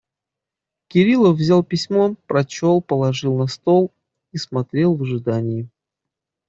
Кириллов взял письмо, прочел, положил на стол и смотрел в ожидании.